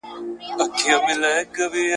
نعمتونه وه پرېمانه هر څه ښه وه ,